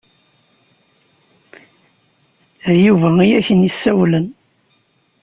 D Yuba i ak-n-isawalen.